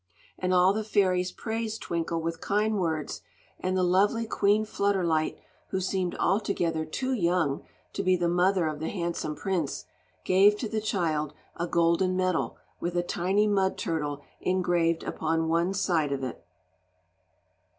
And all the fairies praised Twinkle with kind words, and the lovely Queen Flutterlight, who seemed altogether too young to be the mother of the handsome prince, gave to the child a golden medal with a tiny mud turtle engraved upon one side of it.